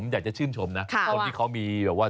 อย่างมีความสุขก็ด้วยนะ